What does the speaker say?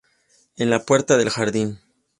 En la puerta del jardín.